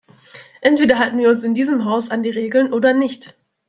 Entweder halten wir uns in diesem Haus an die Regeln oder nicht!